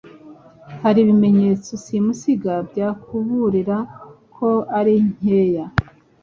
hari ibimenyetso simusiga byakuburira ko ari nkeya